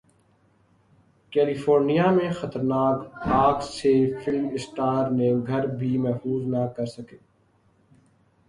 California میں خطرناک اگ سے فلم اسٹارز کے گھر بھی محفوظ نہ رہ سکے